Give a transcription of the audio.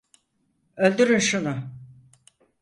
Öldürün şunu!